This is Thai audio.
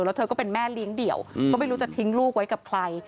แล้วเธอก็เป็นแม่เลี้ยงเดี่ยวก็ไม่รู้จะทิ้งลูกไว้กับใคร